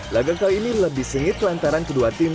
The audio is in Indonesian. laga kali ini lebih sengit lantaran kedua tim